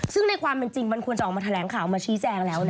ซึ่งในความเป็นจริงมันควรจะออกมาแถลงข่าวมาชี้แจงแล้ว